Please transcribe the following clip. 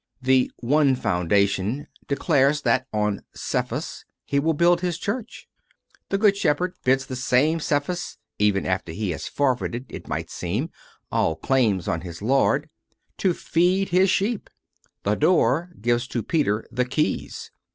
The "One Foundation" declares that on " Cephas" He will build His Church: the Good Shepherd bids the same Cephas, even after he has forfeited, it might seem, all claims on his Lord, to "feed his sheep"; the "Door" gives to Peter the "Keys."